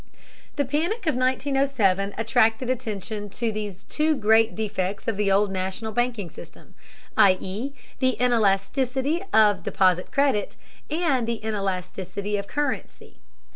The panic of 1907 attracted attention to these two great defects of the old national banking system, i.e. the inelasticity of deposit credit and the inelasticity of currency.